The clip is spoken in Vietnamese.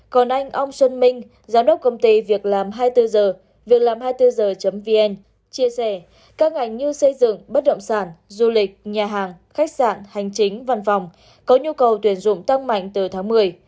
còn anh ong xuân minh giám đốc công ty việc làm hai mươi bốn h việc làm hai mươi bốn h vn chia sẻ các ngành như xây dựng bất động sản du lịch nhà hàng khách sạn hành chính văn phòng có nhu cầu tuyển dụng tăng mạnh từ tháng một mươi